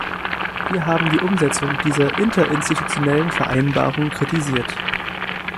Wir haben die Umsetzung dieser interinstitutionellen Vereinbarung kritisiert.